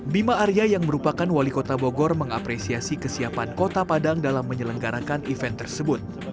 bima arya yang merupakan wali kota bogor mengapresiasi kesiapan kota padang dalam menyelenggarakan event tersebut